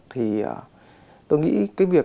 thì tôi nghĩ cái việc